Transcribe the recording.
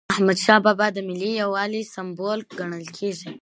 احمدشاه بابا د ملي یووالي سمبول ګڼل کېږي.